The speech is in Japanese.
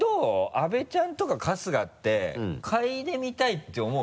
阿部ちゃんとか春日って嗅いでみたいって思う？